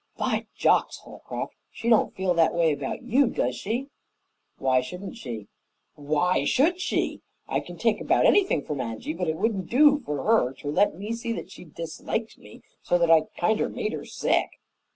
"By jocks, Holcroft! She don't feel that way about you, does she?" "Why shouldn't she?" "Why should she? I can take about anything from Angy, but it wouldn't do for her to let me see that she disliked me so that I kinder made her sick."